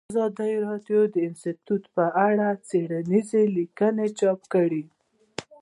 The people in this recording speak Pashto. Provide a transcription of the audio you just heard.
ازادي راډیو د ترانسپورټ په اړه څېړنیزې لیکنې چاپ کړي.